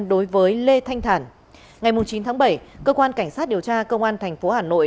đối với lê thanh thản ngày chín tháng bảy cơ quan cảnh sát điều tra công an tp hà nội